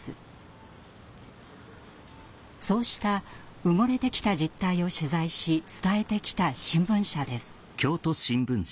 そうした埋もれてきた実態を取材し伝えてきた新聞社です。